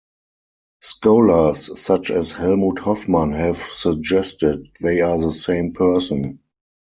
Scholars such as Helmut Hoffman have suggested they are the same person.